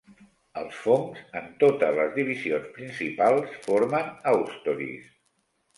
Els fongs, en totes les divisions principals, formen haustoris.